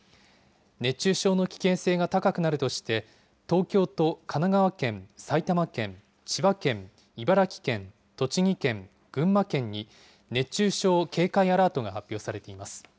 熱中症の危険性が高くなるとして、東京と神奈川県、埼玉県、千葉県、茨城県、栃木県、群馬県に熱中症警戒アラートが発表されています。